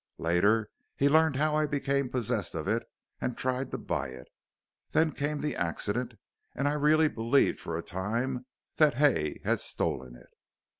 Later, he learned how I became possessed of it, and tried to buy it. Then came the accident, and I really believed for a time that Hay had stolen it."